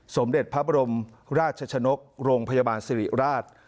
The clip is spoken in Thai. สมเด็จพระบรมราชชนกโรงพยาบาลสิริราช